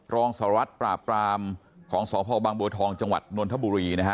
รองสารวัตรปราบรามของสพบางบัวทองจังหวัดนนทบุรีนะฮะ